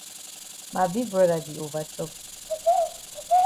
Ma big broda di over chop.